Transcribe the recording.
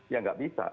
ya enggak bisa